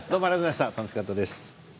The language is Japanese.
楽しかったです。